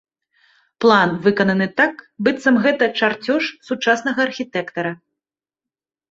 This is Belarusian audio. План выкананы так, быццам гэта чарцёж сучаснага архітэктара.